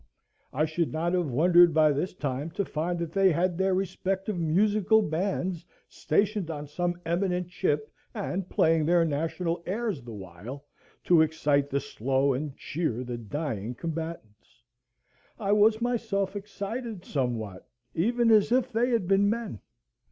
I should not have wondered by this time to find that they had their respective musical bands stationed on some eminent chip, and playing their national airs the while, to excite the slow and cheer the dying combatants. I was myself excited somewhat even as if they had been men.